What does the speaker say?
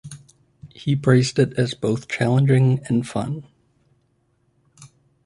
He praised it as both challenging and fun.